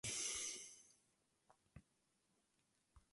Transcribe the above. Design je většinou jednoduchý a příjemný.